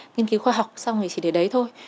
nghiên cứu khoa học xong thì chỉ đến đấy thôi